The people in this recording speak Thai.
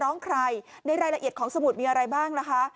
ในรายละเอียดของสมุดมีอะไรบ้างนะคะ